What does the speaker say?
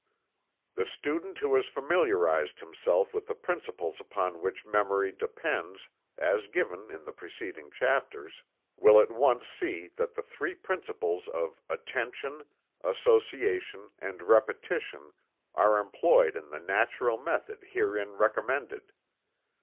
The student who has familiarized himself with the principles upon which memory depends, as given in the preceding chapters, will at once see that the three principles of attention, association and repetition are employed in the natural method herein recommended.